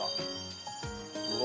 うわ。